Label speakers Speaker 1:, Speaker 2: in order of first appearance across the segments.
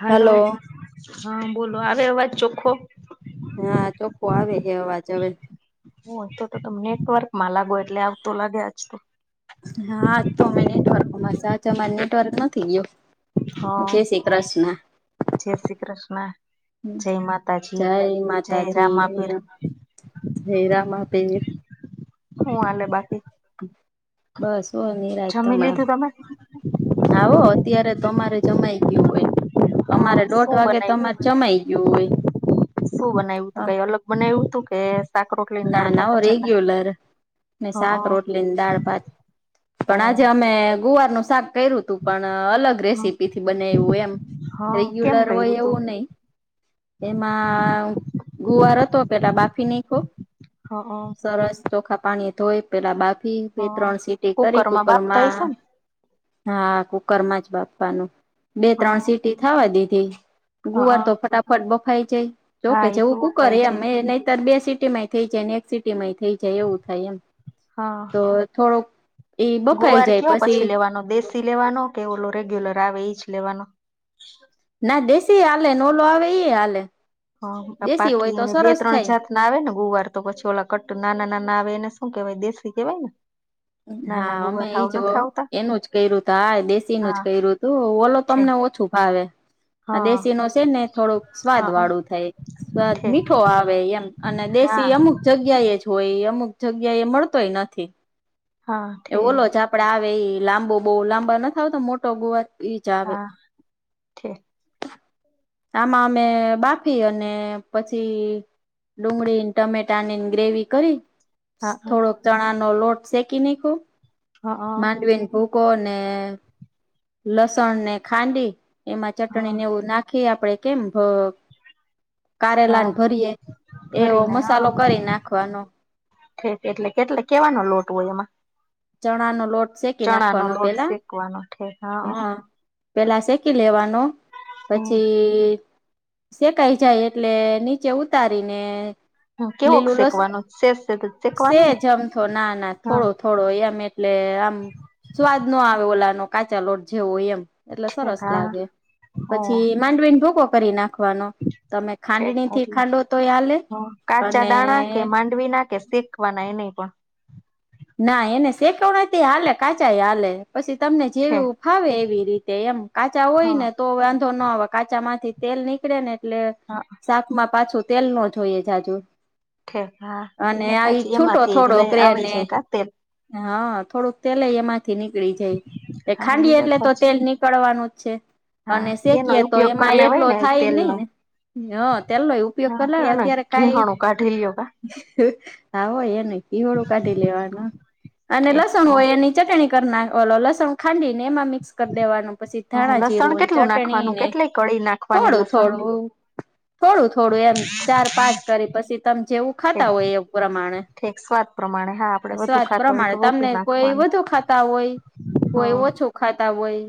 Speaker 1: હાલો
Speaker 2: hello
Speaker 1: હા બોલો આવે અવાજ ચોખ્ખો
Speaker 2: હા ચોખ્ખો આવે હે અવાજ અવે
Speaker 1: હ તો તો તમે નેટવર્કમાં લાગો એટલે આવતો લાગે આજ તો
Speaker 2: હા તો અમે નેટવર્કમાં સાચ અમારે નેટવર્ક નથી ગયો
Speaker 1: હા
Speaker 2: જય શ્રી કૃષ્ણા.
Speaker 1: જય શ્રી કૃષ્ણ જય માતાજી
Speaker 2: જય
Speaker 1: જય
Speaker 2: માતાજી,
Speaker 1: રામાપીર
Speaker 2: જય રામાપીર
Speaker 1: હું હાલે બાકી
Speaker 2: બસ હો નીરાત
Speaker 1: જમી
Speaker 2: અમણા
Speaker 1: લીધું તમે
Speaker 2: હા હો અત્યારે તો અમારે જમાઈ ગયું હોય
Speaker 1: હા
Speaker 2: અમારે દોઢ
Speaker 1: શું
Speaker 2: વાગે તો
Speaker 1: બનાવ્યું
Speaker 2: અમારે જમાઈ ગયું હોય
Speaker 1: શું બનાવ્યું તું કઈ અલગ બનાવ્યું તું કે શાક રોટલીને
Speaker 2: ના
Speaker 1: દાળ
Speaker 2: ના
Speaker 1: ભાત
Speaker 2: હો
Speaker 1: જ હતા
Speaker 2: રેગ્યુલર ને શાક
Speaker 1: હા
Speaker 2: રોટલી ને દાળ ભાત
Speaker 1: હ
Speaker 2: પણ આજે અમે ગુવારનું શાક કર્યું તું પણ અલગ રેસીપીથી બનાયવું એમ
Speaker 1: હા કેમ
Speaker 2: રેગ્યુલર
Speaker 1: કર્યું
Speaker 2: હોય
Speaker 1: તું
Speaker 2: એવું નહી એમાં ગુવાર હતો પેલા બાફી નાયખો
Speaker 1: હ.
Speaker 2: સરસ ચોખા પાણી ધોઈ પેલા બાફી બે
Speaker 1: હા
Speaker 2: ત્રણ સીટી
Speaker 1: કુકર
Speaker 2: કરી
Speaker 1: માં બાફતા હશો
Speaker 2: કુકરમાં
Speaker 1: ને
Speaker 2: હા કુકરમાં જ બાપવાનું બે
Speaker 1: હા
Speaker 2: ત્રણ સીટી થાવા દીધી ગુવાર
Speaker 1: હા
Speaker 2: તો ફટાફટ બફાય જાય
Speaker 1: હા
Speaker 2: જોકે
Speaker 1: એ
Speaker 2: જેવુ
Speaker 1: તો
Speaker 2: કૂકર
Speaker 1: વફાય
Speaker 2: એમ
Speaker 1: જાય
Speaker 2: એ નહીતર બે સીટીમાં થઈ જાય ને એક સિટીમાંય થઈ જાય એવું થાય એમ
Speaker 1: હા
Speaker 2: તો થોડુંક એ બફાય જાય પછી
Speaker 1: નો દેશ ટી લેવાનો કે ઓલો રેગ્યુલર આવે ઈ જ લેવાનો
Speaker 2: ના દેસી હાલે ને ઓલો આવે ઈ એ હાલે.
Speaker 1: હા પપ્પા
Speaker 2: દેશી હોય તો
Speaker 1: કેય બે
Speaker 2: સરસ
Speaker 1: ત્રણ
Speaker 2: થાય
Speaker 1: જાત ના આવે ને ગુવાર તો પછી ઓલા કટ્ટ નાના નાના આવે એને શું કેહેવાય દેેશી કેહેવાય ને ના ના
Speaker 2: હા અમે
Speaker 1: ગુવાર હાવ
Speaker 2: ઈ જ વ
Speaker 1: નથી આવતા
Speaker 2: એનું જ કર્યું તું હા એ દેશીનું જ
Speaker 1: હા
Speaker 2: કર્યું તું ઓલો તો
Speaker 1: છે
Speaker 2: અમને ઓછું ફાવે
Speaker 1: હા
Speaker 2: આ દેશી નો છે ને થોડુંક
Speaker 1: હા
Speaker 2: સ્વાદ વાળું થાય એ સ્વાદ
Speaker 1: છે
Speaker 2: મીઠો આવે એમ અને
Speaker 1: હા
Speaker 2: દેશી અમુક જગ્યા એ જ હોય અમુક જગ્યા એ મળતોય નથી.
Speaker 1: હા
Speaker 2: એ
Speaker 1: છે
Speaker 2: ઓલો જ આપડે આવે ઈ લાંબો બો લાંબા નથી આવતા મોટો ગોવાર ઈ જ આવે.
Speaker 1: હા છે
Speaker 2: આમાં અમે બાફયે અને પછી ડુંગળીને, ટમેટા ની ગ્રેવી કરી
Speaker 1: હા
Speaker 2: થોડોક ચણા નો લોટ શેકી નાયખો
Speaker 1: હા
Speaker 2: માંડવીને ભૂકો ને લસણ ને ખાંડી એમાં
Speaker 1: હા
Speaker 2: ચટણીને એવું નાખી આપડે કેમ ભ કારેલાને
Speaker 1: હા
Speaker 2: ભરીયે એવો
Speaker 1: ભરીને
Speaker 2: મસાલો કરી નાખવાનો.
Speaker 1: થોડુંક એટલે કેટલે કેવાનો લોટ હોય એમાં
Speaker 2: ચણા નો લોટ શેકી
Speaker 1: ચણા નો
Speaker 2: નાખવાનું
Speaker 1: લોટ
Speaker 2: પેલા
Speaker 1: શેકવાનો ઠેક
Speaker 2: હા પેલા શેકી લેવાનો
Speaker 1: હ
Speaker 2: પછી શેકાઈ જાય એટલે નીચે ઉતારીને
Speaker 1: હ કેવોક
Speaker 2: લીલું લસ
Speaker 1: શેકવાનો શેષ શેકવાનો ને
Speaker 2: સેજ અમથે ના ના
Speaker 1: હા
Speaker 2: થોડુક થોડો એમ એટલે આમ સ્વાદ ન આવે ઓલાનો કાચા લોટ જેવો એમ એટલે
Speaker 1: ઠીક
Speaker 2: સરસ
Speaker 1: હા
Speaker 2: લાગે
Speaker 1: ઓ
Speaker 2: પછી માંડવીને ભૂકકો કરી નાખ નાખવાનો તમે
Speaker 1: ઠીક
Speaker 2: ખાંડણી થી
Speaker 1: એટલે
Speaker 2: ખાંડો તોયે હાલેે અને
Speaker 1: ખાડવી ના કે સેકવાના એ નહીં પણ
Speaker 2: ના એને શેકવના થી હાલે કાચા યે હાલે પછી તમને જેવ
Speaker 1: ઠીક
Speaker 2: ફાવે એવી રીતે એમ કાચા હોય
Speaker 1: હા
Speaker 2: ને તો વાંધો ન આવે કાચા માંથી તેલ નીકળે ને એટલે
Speaker 1: હા.
Speaker 2: શાક માં પાછું તેલ નો જોઈએ જાજુ
Speaker 1: ઠીક હા એ
Speaker 2: અને
Speaker 1: વાત
Speaker 2: આવી
Speaker 1: હાચી
Speaker 2: છૂટો
Speaker 1: એમાંથી
Speaker 2: થોડોક
Speaker 1: લઈ
Speaker 2: રે ને
Speaker 1: [inaudible]
Speaker 2: હા થોડુંક તેલ એમાં એમાંથી નીકળી જાય એ
Speaker 1: હા
Speaker 2: ખાંડયે
Speaker 1: વાત
Speaker 2: એટલે તો
Speaker 1: હાચી
Speaker 2: તેલ એમાંથી નીકળવાનું જ છે.
Speaker 1: હા
Speaker 2: અને
Speaker 1: એનો
Speaker 2: શેકીએ તો
Speaker 1: ઉપયોગ કરી
Speaker 2: એમાં
Speaker 1: લેવાય
Speaker 2: એટલો
Speaker 1: ને
Speaker 2: થાય ની
Speaker 1: તેલનો
Speaker 2: ને હા તેલનો ઉપયોગ
Speaker 1: હા
Speaker 2: કર લો
Speaker 1: એનોય
Speaker 2: અત્યારે કઈ
Speaker 1: ઘીહણું કાઢી લ્યો કા
Speaker 2: હા હો એ નય હોળું કાઢી લેવાનું અને
Speaker 1: ઠીક
Speaker 2: લસણ
Speaker 1: હ
Speaker 2: હોય એની ચટણી કર નાખ ઓલો લસણ ખાંડી ને એમાં મિક્સ કર દેવાનું પછી ધાણા
Speaker 1: લસણ
Speaker 2: જીરું
Speaker 1: કેટલું
Speaker 2: ચટણી
Speaker 1: નાખવાનું
Speaker 2: ને
Speaker 1: કેટલી કળી નાખવાની
Speaker 2: થોડું
Speaker 1: લસણની
Speaker 2: થોડું
Speaker 1: [inaudible]
Speaker 2: થોડું થોડું એમ ચાર, પાંચ કરી પછી તમે જેવું ખાતા હોય એવ પ્રમાણે.
Speaker 1: ઠેક સ્વાદ પ્રમાણે હા. આપડે વધુ
Speaker 2: સ્વાદ
Speaker 1: ખાતા હોય તો
Speaker 2: પ્રમાણે
Speaker 1: વધુ
Speaker 2: તમને કોઈ
Speaker 1: નાખવાનું
Speaker 2: વધુ ખાતા હોય
Speaker 1: હ
Speaker 2: કોઈ ઓછું ખાતા હોય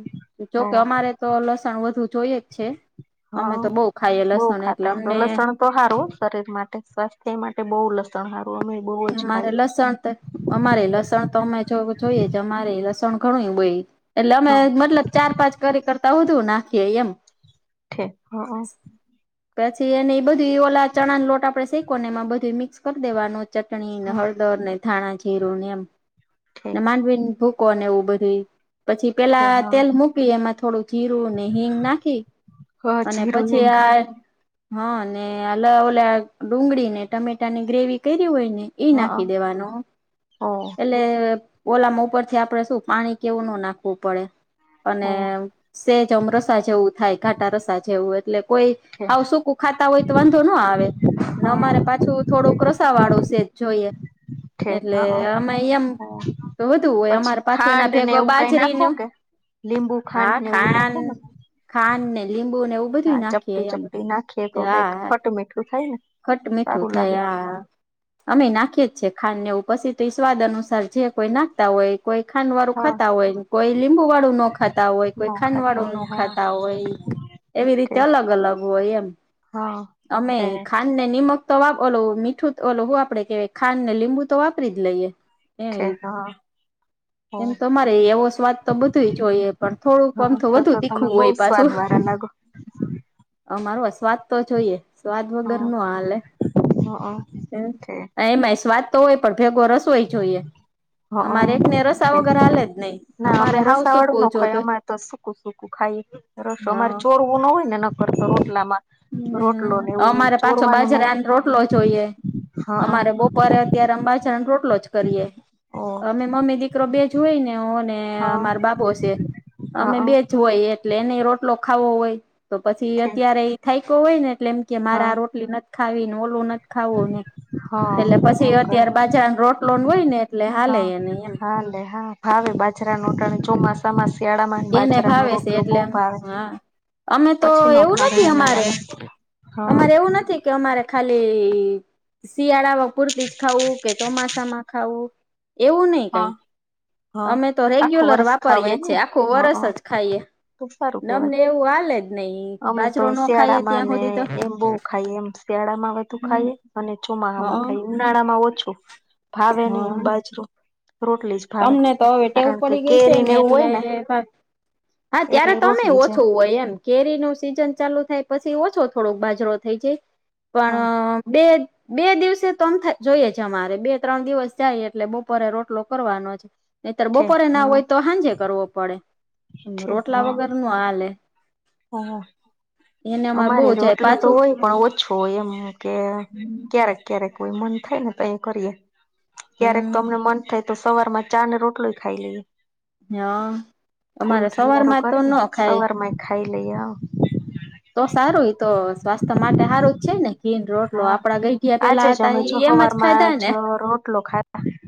Speaker 1: હ
Speaker 2: જોકે અમારે તો લસણ વધુ જોયે જ છે. અમે
Speaker 1: હ
Speaker 2: તો બઉ ખાઈએ
Speaker 1: બહુ
Speaker 2: લસણ એટલે
Speaker 1: ખાતાય તો
Speaker 2: અમને
Speaker 1: લસણ તો હારું શરીર માટે સ્વાસ્થ્ય માટે બો લસણ હારું અમે બહુ જ
Speaker 2: મારે
Speaker 1: ખાઈએ
Speaker 2: લસણ તો અમારે લસણ તો અમે જો જોઈએ અમારે લસણ ઘણુંય બોઇં એટલે અમે
Speaker 1: હા
Speaker 2: મતલબ ચાર પાંચ કરી કરતા વધુ નાખીએ યેમ
Speaker 1: ઠે હ હ
Speaker 2: [inaudible] પછી એને બધી ઓલા ચણા ન લોટ આપડે શેકોને એમાં બધું મિક્સ કરી દેવાનો ચટણી હળદર ને થાણા જીરુ ને એમ [inaudible] ને
Speaker 1: ઠીક
Speaker 2: માંડવી ભૂખ કોને એવું બધી પછી
Speaker 1: ઠે
Speaker 2: પેલા
Speaker 1: હ
Speaker 2: તેલ મૂકી એમાં થોડું જીરું ને હિંગ નાખી
Speaker 1: હ
Speaker 2: અને
Speaker 1: જીરું
Speaker 2: પછી
Speaker 1: હિંગ
Speaker 2: આ ય હા ને અલાઓલા ડુંગળી ને ટમેટાની ગ્રેવી કઇરી હોય ને
Speaker 1: હ
Speaker 2: ઈ નાખી દેવાનું
Speaker 1: ઓ ઓ
Speaker 2: [inaudible] એટલે ઓલામાં ઉપર થી આપડે શું પાણી કેઉ ન નાખવું પડે અને સેજ અમ રસા જેવું થાય ઘાટા રસા જેવું એટલે કોઈ
Speaker 1: ઠે હ
Speaker 2: આવ શુંકું ખાતા હોય તો વાંધો ન આવે ન અમારે પાછું થોડુંક રસા વાળું સેજ જોઈએ
Speaker 1: ઠે હ
Speaker 2: એટલે અમે યેમ.
Speaker 1: ઓ
Speaker 2: તો વધુ હોય
Speaker 1: પછી
Speaker 2: અમાર પાછો એના
Speaker 1: ખાંડ ને
Speaker 2: ભેગો
Speaker 1: એવું કઈ નાખો
Speaker 2: બાજરીનું
Speaker 1: કે લીંબુ
Speaker 2: [inaudible] હા
Speaker 1: ખાંડ ને એવું
Speaker 2: ખાન
Speaker 1: નાખો ને
Speaker 2: ખાન ને લીંબુ ને એવું બધું
Speaker 1: હા ચપટી
Speaker 2: નાખીયે યમ
Speaker 1: ચપટી નાખીએ તો કઈક
Speaker 2: હા
Speaker 1: ખોટું મીઠું થાય ને
Speaker 2: [inaudible] ખટ મીઠું
Speaker 1: સારું લાગે
Speaker 2: થયા હા અમે નાખીએ જ છે ખાન ને એવું પછી તો ઈ સ્વાદ અનુસાર જે કોઈ નાખતા હોય. કોઈ ખાંડ વાળું
Speaker 1: હા
Speaker 2: ખાતા હોયન કોઈ લીંબુ વાળું નો ખાતા હોય
Speaker 1: ન
Speaker 2: કોઈ ખાંડ
Speaker 1: ખાતા
Speaker 2: વાળું નો
Speaker 1: હોય હા
Speaker 2: ખાતા હોય. એવી રીતે અલગ અલગ હોય એમ.
Speaker 1: હ [unintelligible]
Speaker 2: ખાન ને નિમક તો વાપ ઓલું મીઠું ઓલું હું આપેડે કેહેવાય ખાંડ ને લીંબુ તો વાપરી જ લઈએ. એ
Speaker 1: છે હા. ઓ
Speaker 2: એમ તો મારે એવો સ્વાદ તો બધું જોઈએ પણ થોડુંક
Speaker 1: હા
Speaker 2: અમથું
Speaker 1: તો તો
Speaker 2: વધુ
Speaker 1: તમે
Speaker 2: તીખું
Speaker 1: બહુ
Speaker 2: હોય.
Speaker 1: સ્વાદ
Speaker 2: પાછું
Speaker 1: વારા લાગ
Speaker 2: [inaudible] અમારો આ સ્વાદ તો જોઈએ સ્વાદ વગર હા લે
Speaker 1: હા
Speaker 2: [inaudible] એમ
Speaker 1: છે
Speaker 2: એમાંય સ્વાદ તો હોય પણ ભેગો રસોય જોઈએ.
Speaker 1: હા
Speaker 2: અમારે એકને રસા
Speaker 1: છે
Speaker 2: વગર હાલે જ નઈ
Speaker 1: ના
Speaker 2: અમારે
Speaker 1: અમે
Speaker 2: હાવ
Speaker 1: રસા
Speaker 2: સૂકો
Speaker 1: વાળું ન ખાય
Speaker 2: જોતો
Speaker 1: અમારે તો સુકું સકું ખાય રસો અમારે ચોરવું ના હોય ને નકરતો રોટલામાં રોટલો
Speaker 2: હમ
Speaker 1: ને એવું.
Speaker 2: અમારે પાછો
Speaker 1: ચોરવાનું ન હોય
Speaker 2: બાજરાન રોટલો જોઈએ
Speaker 1: હા
Speaker 2: અમારે બો બપરે અત્યારે અમ બાજરાન રોટલો જ કરીએ.
Speaker 1: ઓ
Speaker 2: અમે મમ્મી દીકરો બે જોઈને ઓને
Speaker 1: હા
Speaker 2: અમાર બાબો છે અમે
Speaker 1: હા
Speaker 2: બે જોય એટલે એને રોટલો ખાવો હોય તો પછી
Speaker 1: છે
Speaker 2: અત્યારે એ થાયકો હોય ને એટલે એમ કે મારે
Speaker 1: હા
Speaker 2: આ રોટલી નથ ખાવી ને ઓલું નથ ખાવું ને.
Speaker 1: હા
Speaker 2: એટલે
Speaker 1: એમ
Speaker 2: પછી
Speaker 1: કરે
Speaker 2: અત્યારે બાજરાન રોટલોન હોય ને એટલે હાલે
Speaker 1: હા
Speaker 2: એને એમ.
Speaker 1: હાલે હા ભાવે બાજરા નોટણ ચોમાસ
Speaker 2: એને ભાવે શે એટલે અમ
Speaker 1: ભાવે
Speaker 2: હા. અમે તો
Speaker 1: પછી નો
Speaker 2: એવું
Speaker 1: ભાવે
Speaker 2: નથી અમારે
Speaker 1: ઉનાળામાં
Speaker 2: [inaudible]
Speaker 1: હા
Speaker 2: અમારે એવું નથી કે અમારે ખાલી શિયાળા વ પુરતી જ ખાવું કે ચોમાસામાં ખાવું એવું નઈ
Speaker 1: હા
Speaker 2: કાંઈ
Speaker 1: હા
Speaker 2: અમે તો
Speaker 1: આખું
Speaker 2: રેગ્યુલર
Speaker 1: વરસ ખાવ
Speaker 2: વાપરીએ
Speaker 1: એમ
Speaker 2: જ છે
Speaker 1: ને
Speaker 2: આખું વરસ
Speaker 1: હા
Speaker 2: જ ખાઈએ
Speaker 1: તો સારું કેવાય
Speaker 2: નમને એવું હાલે જ નહી
Speaker 1: અમે તો
Speaker 2: બાજરો ન ખાય
Speaker 1: શિયાળામાં
Speaker 2: ત્યાં
Speaker 1: ને
Speaker 2: સુધી તો.
Speaker 1: એમ બહુ ખાઈએ એમ શિયાળામાં વધુ ખાઈએ અને ચોમાસા માં
Speaker 2: હા
Speaker 1: ખાઈએ ઉનાળામાં ઓછો. ભાવે નહી
Speaker 2: હા
Speaker 1: બાજરો રોટલી છે.
Speaker 2: અમને તો હવે ટેવું પડી ગય છે ને એટલે. હા ત્યારે
Speaker 1: એટલે
Speaker 2: તમે
Speaker 1: રોટલી છે
Speaker 2: ઓછો હોય એમ. કેરી નું સીઝન ચાલુ થાય પછી ઓછો થોડોક બાજરો થઈ જાય.
Speaker 1: હા
Speaker 2: પણ બે. બે દિવસે તો જોઈએ છે અમારે બે ત્રણ દિવસ જાય એટલે બપોરે રોટલો કરવાનો છે. નઈતર
Speaker 1: છે
Speaker 2: બપોરે ના
Speaker 1: હા
Speaker 2: હોય તો સાંજે કરવો પડે.
Speaker 1: છે
Speaker 2: રોટલા વગર નું હલે.
Speaker 1: હ હ. અમારે રોટલો તો
Speaker 2: પાછું
Speaker 1: હોય પણ ઓછો હોય એમ કે ક્યારેક ક્યારેક હોઈ મન થાય ને તો એ કરીએ ક્યારેક
Speaker 2: હમ
Speaker 1: તો અમને મન થાય તો સવાર માં ચા ને રોટલી ખાઈ લઈએ.
Speaker 2: હા
Speaker 1: ફૂલ
Speaker 2: અમારે
Speaker 1: ઘીવારું
Speaker 2: સવારમાં તો ન
Speaker 1: કરીને
Speaker 2: ખાય
Speaker 1: સવાર માંય ખાઈ લઈએ હા.
Speaker 2: તો સારું એ તો સ્વાસ્થ્ય માટે સારું જ છે ને ઘી રોટલો
Speaker 1: હા
Speaker 2: આપડા ગઈ ગયા પેલા હતા એમ જ ખાધા ને.
Speaker 1: ઓ રોટલો ખાય. હ.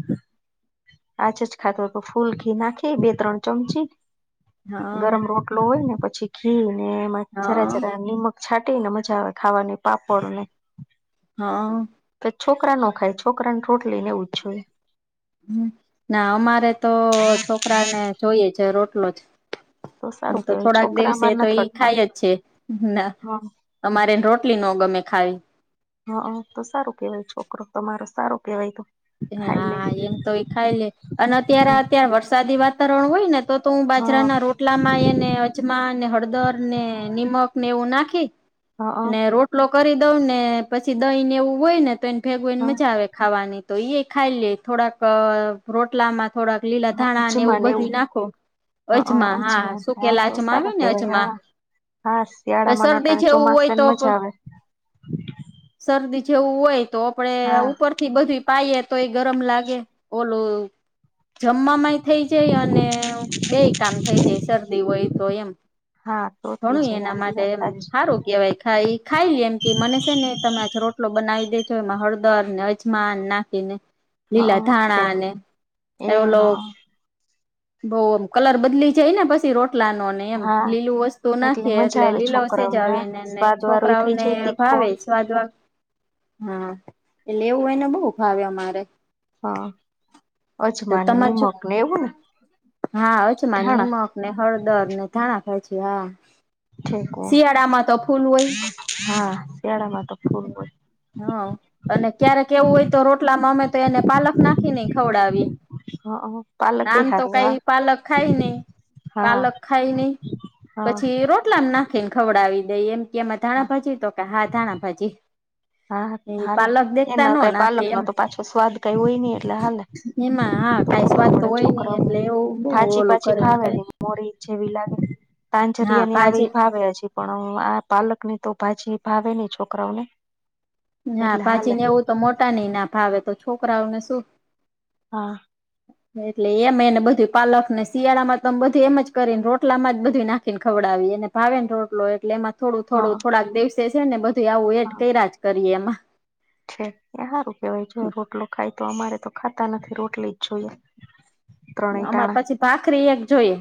Speaker 1: આજેજ ખાતો તો ફૂલ ઘી નાખે બે ત્રણ ચમચી
Speaker 2: હા
Speaker 1: ગરમ રોટ લો હોય ને પછી ઘી ને એમાં જરા
Speaker 2: હા
Speaker 1: જરા નિમક છાંટી ને મજા આવે ખાવાની પાપડ ને
Speaker 2: હા.
Speaker 1: તો છોકરા ના ખાય છોકરાને રોટલીને એવું જોઈએ.
Speaker 2: હમ્મ, ના અમારે તો છોકરાને જોઈએ છે રોટલો જ. હ
Speaker 1: સારું
Speaker 2: તો
Speaker 1: કેવાય
Speaker 2: થોડાક
Speaker 1: છોકરા
Speaker 2: દિવસે
Speaker 1: અમાર
Speaker 2: તો એ
Speaker 1: નથી હટતા
Speaker 2: ખાય જ છે ના.
Speaker 1: હા
Speaker 2: અમારે રોટલી નો ગમે ખાઈ.
Speaker 1: હા તો સારું કેવાય છોકરો તમારો સારો કેવાય તો. ખાઈ લે
Speaker 2: હા, એમ તો એ ખાઈ લે. અને અત્યારે અત્યારે વરસાદી વાતાવરણ હોય ને તો તો હું
Speaker 1: હા
Speaker 2: બાજરાના રોટ લામાં એને અજમાને હળદર ને નિમક ને એવું નાખી
Speaker 1: હા
Speaker 2: ને રોટ લો કરી દઉં ને પછી દહીંને એવું હોય ને તો એને ભેગવું એને
Speaker 1: હા
Speaker 2: મજા આવે ખાવાની. તો ઈ ખાઈ લે થોડાક અહ રોટલામાં થોડાક લીલા
Speaker 1: હા
Speaker 2: ધાણા ને એવું
Speaker 1: જમાને
Speaker 2: બધું નાખો. અજમા
Speaker 1: જ
Speaker 2: હા
Speaker 1: વાત હા
Speaker 2: શુંકેલા
Speaker 1: તો
Speaker 2: અજમા
Speaker 1: સારા
Speaker 2: આવ્યો ને
Speaker 1: કેવાય
Speaker 2: અજમા
Speaker 1: હા હા,
Speaker 2: તો
Speaker 1: શિયાળામાં
Speaker 2: શરદી
Speaker 1: નટાણ
Speaker 2: જેવું હોય
Speaker 1: ચોમાસેને
Speaker 2: તો
Speaker 1: મજા આવે.
Speaker 2: શરદી જેવું હોય તો આપડે આ
Speaker 1: હા
Speaker 2: ઉપર થી બધી પાયએ તો એ ગરમ લાગે ઓલું જમમાં એ. થઈ જાય અને બે કામ થઈ જાય શરદી હોય તો એમ.
Speaker 1: હા તો થઈ
Speaker 2: ઘણું
Speaker 1: જાય
Speaker 2: એના માટે એમ
Speaker 1: હા એ વાત હાચી
Speaker 2: હારું કેવાય ખાઈ ખાઈલી એમ કે મને છે ને તમે આજ રોટલો બનાવી દેજો એમાં હળદર ને અજમા ના ખી ને લીલા
Speaker 1: હા છે
Speaker 2: થાણા ને એ ઓલો બઉમ કલર બદલી જાય ને પછી રોટલા નો ને એમ
Speaker 1: હા
Speaker 2: લીલું વસ્તુ નાખે
Speaker 1: મજા
Speaker 2: એટલે
Speaker 1: આવે
Speaker 2: લીલાશેજ
Speaker 1: છોકરાઓને
Speaker 2: આવે
Speaker 1: આ
Speaker 2: ને
Speaker 1: સ્વાદ વાળો થઈ
Speaker 2: છોકરાઓને
Speaker 1: જાય તીખો
Speaker 2: ભાવેજ. સ્વાદ વા હા એટલે એવું એને બહુ ભાવે અમારે.
Speaker 1: હા
Speaker 2: તો
Speaker 1: અજમાન
Speaker 2: તમારે છો
Speaker 1: નિમક ને એવું ને
Speaker 2: હા આવે છે માની
Speaker 1: ધાણા
Speaker 2: માં ને હળદર ને ધાણા ખાય છે હા
Speaker 1: ઠેકો
Speaker 2: શિયાળામાં તો ફૂલ હોય.
Speaker 1: હા, શિયાળામાં તો ફૂલ હોય.
Speaker 2: હા અને ક્યારેક એવું હોય તો રોટલામાં અમે તો એને પાલક નાખી ને ખવડાવી.
Speaker 1: હા પાલક એ
Speaker 2: આમ તો કઈ
Speaker 1: હારું હા
Speaker 2: પાલક ખાય નહી
Speaker 1: હા
Speaker 2: પાલક ખાય નહી.
Speaker 1: હા
Speaker 2: પછી રોટલામાં નાખીને ખવડાવી દઈ એમ કે એમાં ધાણા
Speaker 1: હા
Speaker 2: ભાજી તો કે હા ધાણા ભાજી.
Speaker 1: હા,
Speaker 2: એ
Speaker 1: હાલે
Speaker 2: પાલક દેખતા ન
Speaker 1: એના કઈ
Speaker 2: નાખે
Speaker 1: પાલક નો
Speaker 2: એમ
Speaker 1: તો પાછો સ્વાદ કઈ હોય નહી એટલે હાલે.
Speaker 2: એમાં હા કઈ
Speaker 1: ખબર
Speaker 2: સ્વાદ તો
Speaker 1: પડે
Speaker 2: હોય નહ
Speaker 1: છોકરાઓને
Speaker 2: એટલે એવું બહ
Speaker 1: ભાજી
Speaker 2: ઓલું
Speaker 1: પાછી
Speaker 2: કરીને
Speaker 1: ફાવે
Speaker 2: કરે
Speaker 1: નહીં મોરી જેવી લાગે.
Speaker 2: હા
Speaker 1: તાંજરિયા ની
Speaker 2: ભાજી
Speaker 1: આવી ભાવે હજી પણ હ આ પાલક ની તો ભાજી ભાવે નહી છોકરાઓને.
Speaker 2: હા
Speaker 1: એટલે
Speaker 2: ભાજી
Speaker 1: હાલે
Speaker 2: ને એવું તો મોટા નહી ના ભાવે તો છોકરાઓને શું
Speaker 1: હા.
Speaker 2: એટલે એમ એને બધું પાલક ને શિયાળામાં તોમ બધું એમ જ કરીને રોટલા માં જ બધું નાખીને ખવડાવી એને ભાવેને રોટલો એટલે એમાં થોડું થોડું
Speaker 1: હા
Speaker 2: થોડાક દેસે છે ને બધું આવું એટ
Speaker 1: હા
Speaker 2: કર્યા જ કરીએ એમાં.
Speaker 1: છે. એ હારું કેવાય જો રોટલો ખાય તો અમારે તો ખાતા નથી રોટલી જ જોઈએ. ત્રણેય
Speaker 2: અમારે
Speaker 1: ટાણા
Speaker 2: પછી ભાખરી એક જોઈએ.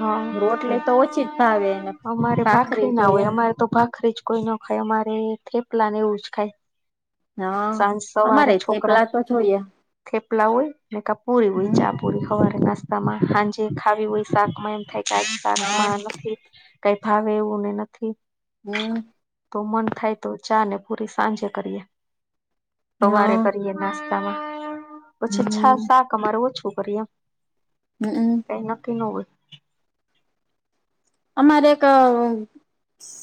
Speaker 1: હા
Speaker 2: રોટલી તો ઓછી જ ભાવે એને
Speaker 1: અમારે
Speaker 2: ભાખરી
Speaker 1: ના
Speaker 2: જોઈએ.
Speaker 1: હોય અમારે તો ભાખરી જ કોઈ નો ખાય અમારે થેપલા ને એવું જ ખાય.
Speaker 2: હા
Speaker 1: સાંજ સવારે
Speaker 2: અમારે
Speaker 1: છોકરા
Speaker 2: થેપલા તો જોઈએ
Speaker 1: થેપલા હોય ને કાપૂરી હોય
Speaker 2: હમ
Speaker 1: ચા પોડી હવારે નાસ્તામાં સાંજે ખાવી હોય શાકમાં એમ થાય કે
Speaker 2: હા
Speaker 1: શાકમાં નથી કઈ ફાવે એવું ને નથી
Speaker 2: હમ.
Speaker 1: તો મન થાય તો ચા ને પૂરી સાંજે કરીએ
Speaker 2: હા
Speaker 1: સવારે કરીએ નાસ્તામાં પછી છા
Speaker 2: હમ
Speaker 1: શાક અમારે ઓછું કરીએ એમ
Speaker 2: હમમ.
Speaker 1: કય નકકી ન હોય
Speaker 2: અમારે એક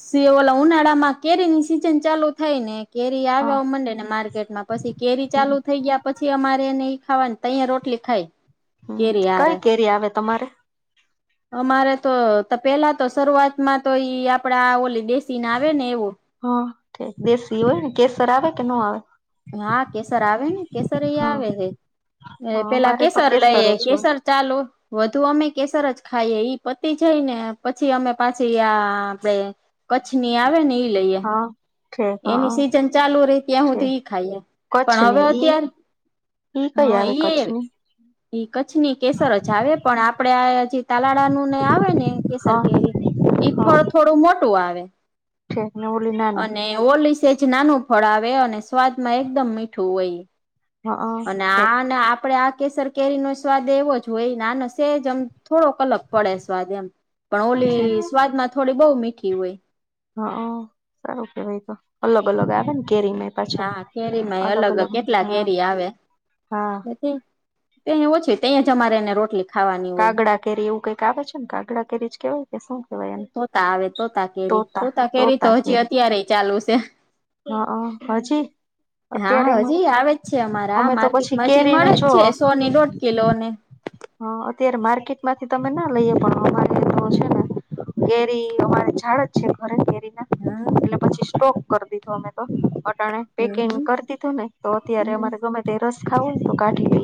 Speaker 2: સીઓલા ઉનાળા માં કેરી ની સિઝન ચાલુ થાય ને કેરી
Speaker 1: હા
Speaker 2: આવ્યા મંડે ને માર્કેટમાં પછી કેરી
Speaker 1: હમ
Speaker 2: ચાલુ થઈ ગયા પછી અમારે નય ખાવા તોય રોટલી ખાય
Speaker 1: હમ કઈ કેરી આવે તમારે?
Speaker 2: અમારે તો પેલા તો શરૂઆતમાં તો ઈ આપડાે ઓલી દે ચી નાવે એવું
Speaker 1: હઠે દેશી હોયને કેસર આવે કે ન આવે
Speaker 2: હા કેસર આવે ને કેસર એ
Speaker 1: હા
Speaker 2: આવે હે
Speaker 1: હા
Speaker 2: પેલા
Speaker 1: અમારે તો
Speaker 2: કેસર લઈ
Speaker 1: જ હોય
Speaker 2: કેસર ચાલો. વધુ અમે કેસર જ ખાઈએ ઈ પતિ જાય ને પછી અમે પાછી આ આપણે કચ્છની આવે ને ઈ લઈએ
Speaker 1: હા ઠીક
Speaker 2: એની
Speaker 1: હા
Speaker 2: સિઝન ચાલુ રહી ત્યાં
Speaker 1: ઠીક
Speaker 2: સુુંધી ખાએ પણ હવે
Speaker 1: કચ્છની ઈ
Speaker 2: અત્યારે
Speaker 1: ઈ કઈ
Speaker 2: હા
Speaker 1: આવે
Speaker 2: ઈ
Speaker 1: કચ્છની
Speaker 2: ઈ કચ્છની કેસર જ આવે પણ આપણે આ હજી તાલાળાનું ને આવે ને કેસર
Speaker 1: હા
Speaker 2: કેરી ઈ ફળ થોડું મોટું આવે
Speaker 1: ઠેને ઓલી નાની
Speaker 2: ને ઓલીસેજ નાનું ફળ આવે અને સ્વાદમાં એકદમ મીઠું હોય
Speaker 1: હા
Speaker 2: અને
Speaker 1: ઠેક
Speaker 2: આને આપડે આ કેસર કેરીનો સ્વાદ એવો જ હોય ને આનો સેજ આમ થોડો કલક પડે સ્વાદ એમ પણ
Speaker 1: ઠેક
Speaker 2: ઓલી સ્વાદમાં થોડી બો મીઠી હોય
Speaker 1: હ સારું કેવાય તો અલગ અલગ આવે ને કેરી મે
Speaker 2: હા કેરીમાં અલગ કેટલા કેરી આવે
Speaker 1: હા
Speaker 2: તેય ઓછી તેય જ અમારે ને રોટલી ખાવાની હોય
Speaker 1: કાગડા કેરી એવું કઈક આવે છે, ને કાગડા કેરી કેવાય કે શું કેવાય
Speaker 2: તોતા આવે તોતા કેરી તોતા કેરી તો હજી અત્યારેય ચાલુ છે.
Speaker 1: હ હજી
Speaker 2: હા
Speaker 1: અત્યારે મળે
Speaker 2: હજી આવે જ છે, અમારા
Speaker 1: અમે તો પછી
Speaker 2: માર્કેટમાં હજી
Speaker 1: કેરી
Speaker 2: મળે
Speaker 1: નું
Speaker 2: જ
Speaker 1: જો
Speaker 2: છે, સોની દોઢ કિલોને
Speaker 1: હ અત્યારે માર્કેટ માંથી તમે ના લઈએ પણ અરે તો છે, ને કેરી અમારે ઝાડ જ છે, ઘરે કેરી ના
Speaker 2: હમ.
Speaker 1: એટલે પછી સ્ટોક કરી દીધો અમે તોટાણે પેકિંગ
Speaker 2: હમ
Speaker 1: કરી દીધું ને તો અત્યારે
Speaker 2: હમ
Speaker 1: અમારે ગમે તે રસ ખાવું તો કાઢી લે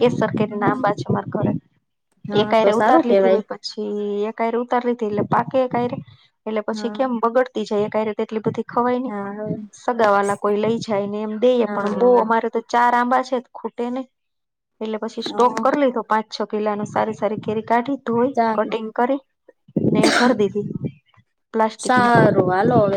Speaker 1: કેસર કેરી નામ
Speaker 2: હમ.
Speaker 1: બાજ તમાર ઘરે
Speaker 2: હા તો
Speaker 1: એકાયરે ઉતાર
Speaker 2: સારું કેવાય
Speaker 1: લીધી પ પછી એકાયરે ઉતારી લીધી એટલે પાકે એકાય એટલે પછી
Speaker 2: હા
Speaker 1: કેમ બગડ તી છે, એકાયરે ટેટલી બધી ખવાય ની સગા વાલા કોઈ લઈ જાય ને એમ દેએ પણ
Speaker 2: હા
Speaker 1: બો
Speaker 2: હા
Speaker 1: અમારે તો ચાર આંબા છે, ખૂટે નહી એટલે પછી સ્ટોક [unintelligible] પાંચ છ કિલ્લાનુ સારી સારી કેરી કાઢી ધોઈ
Speaker 2: સારું
Speaker 1: કટિંગ કરી ને ફરીદીધી પ્લાસ્ટિકમાં
Speaker 2: વાલો અવે